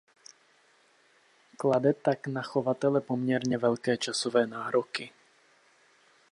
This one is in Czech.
Klade tak na chovatele poměrně velké časové nároky.